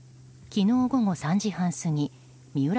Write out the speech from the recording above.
昨日午後３時半過ぎ三浦